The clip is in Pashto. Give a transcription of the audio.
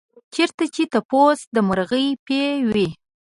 چېرته چې تپوس د مرغۍ پۍ وي.